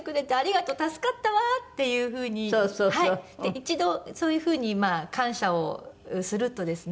一度そういう風に感謝をするとですね